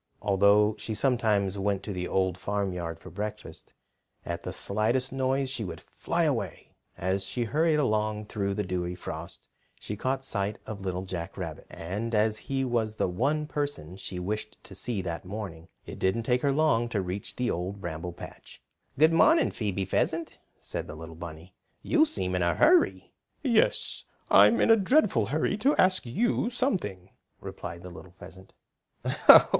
Although she sometimes went to the Old Farmyard for breakfast, at the slightest noise she would fly away. As she hurried along through the dewy frost she caught sight of Little Jack Rabbit. And as he was the one person she wished to see that morning, it didn't take her long to reach the Old Bramble Patch. "Good morning, Phoebe Pheasant," said the little bunny. "You seem in a hurry." "Yes, I'm in a dreadful hurry to ask you something," replied the little pheasant.